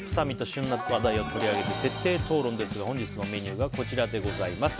旬な話題を取り上げて徹底討論ですが本日のメニューがこちらでございます。